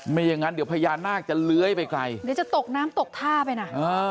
ไม่อย่างนั้นเดี๋ยวพญานาคจะเลื้อยไปไกลเดี๋ยวจะตกน้ำตกท่าไปน่ะเออ